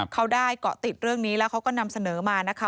เขาได้เกาะติดเรื่องนี้แล้วเขาก็นำเสนอมานะคะ